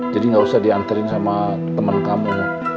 jadi gak usah dianterin sama temen kamu